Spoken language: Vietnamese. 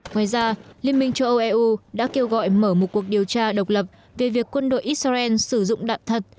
ngoài ra liên minh châu âu eu đã kêu gọi mở một cuộc điều tra độc lập về việc quân đội israel sử dụng đạn thật